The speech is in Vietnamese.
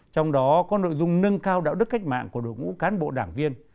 trong đó có nội dung nâng cao đạo đức cách mạng của đội ngũ cán bộ đảng viên